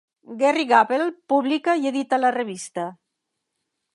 Gerry Gable publica i edita la revista.